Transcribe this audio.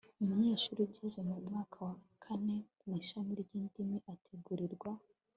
umunyeshuri ugeze mu mwaka wa kane mu ishami ry'indimi ategurirwa